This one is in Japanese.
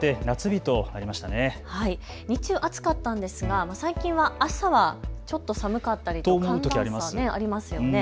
日中、暑かったんですが最近は朝はちょっと寒かったりと思うときありますね。ありますよね。